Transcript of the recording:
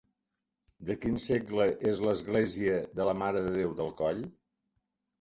De quin segle és l'església de la Mare de Déu del Coll?